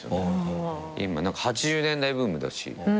今８０年代ブームだし。